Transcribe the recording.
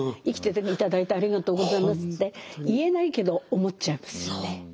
生きてて頂いてありがとうございますって言えないけど思っちゃいますよね。